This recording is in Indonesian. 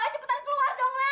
cepetan keluar dong nak